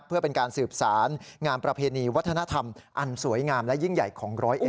เพื่อเป็นการสืบสารงามประเพณีวัฒนธรรมอันสวยงามและยิ่งใหญ่ของ๑๐๑